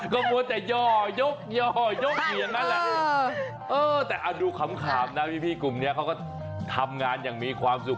ก็มัวแต่ย่อยกย่อยกอยู่อย่างนั้นแหละแต่ดูขำนะพี่กลุ่มนี้เขาก็ทำงานอย่างมีความสุข